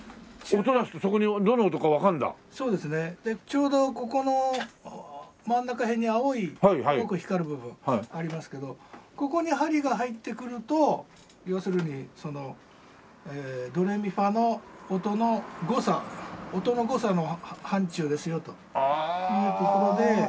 ちょうどここの真ん中辺に青い青く光る部分ありますけどここに針が入ってくると要するにドレミファの音の誤差音の誤差の範疇ですよというところで。